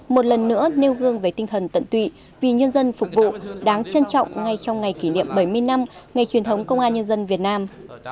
một lần nữa nêu gương về tinh thần tận tụy vì nhân dân phục vụ đáng trân trọng ngay trong ngày kỷ niệm bảy mươi năm ngày truyền thống công an nhân dân việt nam